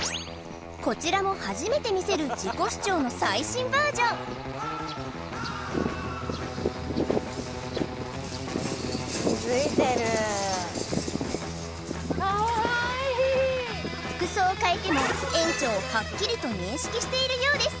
こちらも初めて見せる自己主張の最新バージョン服装を変えても園長をハッキリと認識しているようです